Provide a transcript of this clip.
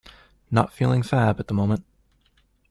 Not feeling fab at the moment.